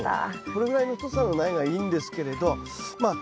これぐらいの太さの苗がいいんですけれどまあ